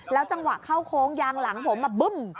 แล้วจังหวะเข้าโค้งยางหลังผมแบบบึ้ม